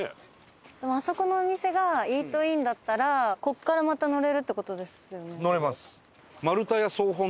でもあそこのお店がイートインだったらここからまた乗れるって事ですよね？